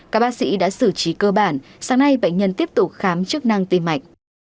các bác sĩ đã xử trí cơ bản sáng nay bệnh nhân tiếp tục khám chức năng tim mạch